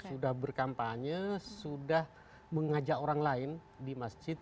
sudah berkampanye sudah mengajak orang lain di masjid